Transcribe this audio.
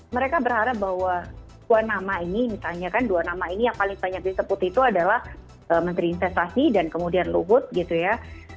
mereka berharap bahwa dua nama ini misalnya kan dua nama ini yang paling banyak disebut itu adalah menteri investasi dan kemudian luhut gitu ya